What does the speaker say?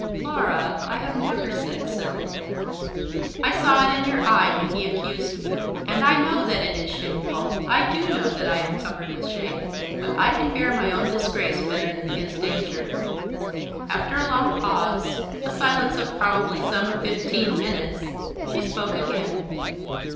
"Laura, I have never said so." "I saw it in your eye when he accused me. And I know that it is shameful. I do know that I am covered with shame. But I can bear my own disgrace better than his danger." After a long pause, a silence of probably some fifteen minutes, she spoke again.